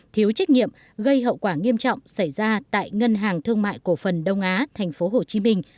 thiếu trách nhiệm gây hậu quả nghiêm trọng xảy ra tại ngân hàng thương mại cổ phần đông á tp hcm